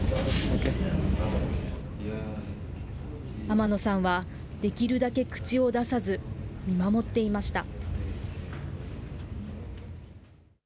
天野さんは、できるだけ口を出さず、見守っていました。